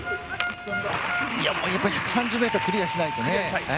１３０ｍクリアしないとね。